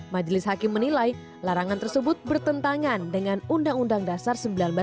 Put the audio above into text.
majelis hakim menilai larangan tersebut bertentangan dengan undang undang dasar seribu sembilan ratus empat puluh lima